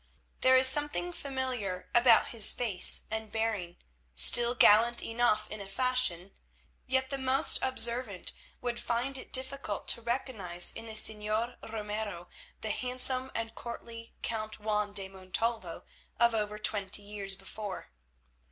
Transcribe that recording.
There is something familiar about his face and bearing, still gallant enough in a fashion, yet the most observant would find it difficult to recognise in the Señor Ramiro the handsome and courtly Count Juan de Montalvo of over twenty years before.